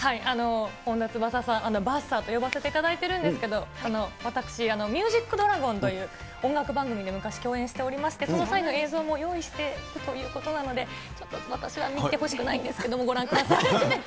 本田翼さん、ばっさーと呼ばせていただいてるんですけど、私、ミュージックドラゴンという音楽番組で、昔、共演しておりまして、その際の映像も用意してるということなので、ちょっと私は見てほしくないんですけど、ご覧ください。